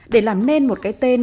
để làm nên một cái tên